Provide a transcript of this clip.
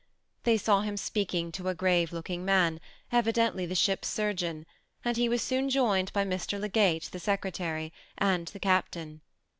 They saw him speaking to a grave looking man, evidently the ship's surgeon, and he was soon joined by Mr. Le Greyt, the secretary, and the captain.